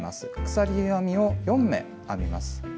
鎖編みを４目編みます。